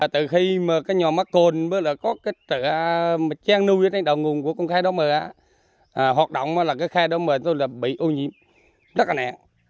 từ khi nhà máy cồn có trang nuôi ở đạo nguồn của khai đóng mờ hoạt động khai đóng mờ bị ô nhiễm rất nẹn